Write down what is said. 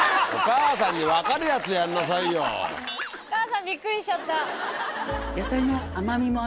おかあさんびっくりしちゃった。